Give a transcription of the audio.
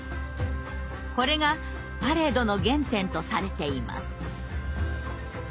これがパレードの原点とされています。